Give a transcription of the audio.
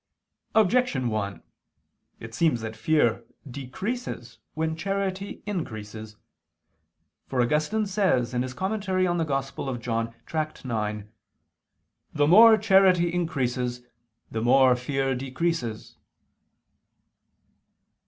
Objection 1: It seems that fear decreases when charity increases. For Augustine says (In prim. canon. Joan. Tract. ix): "The more charity increases, the more fear decreases."